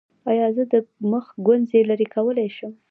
ایا زه د مخ ګونځې لرې کولی شم؟